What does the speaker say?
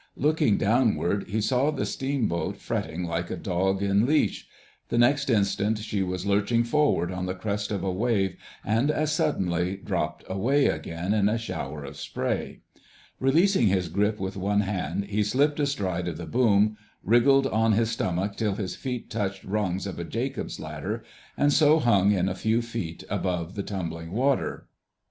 Looking downward, he saw the steamboat fretting like a dog in leash; the next instant she was lurching forward on the crest of a wave and as suddenly dropped away again in a shower of spray. Releasing his grip with one hand he slipped astride of the boom, wriggled on his stomach till his feet touched rungs of a Jacob's ladder, and so hung in a few feet above the tumbling water.